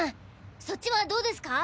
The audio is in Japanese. そっちはどうですか？